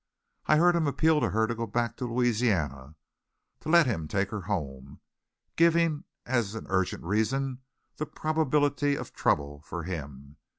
I heard him appeal to her to go back to Louisiana; to let him take her home, giving as urgent reason the probability of trouble for him.